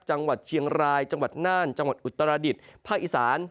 จังหวัดเชียงรายจังหวัดน่านจังหวัดอุตรดิษฐ์ภาคอีสาน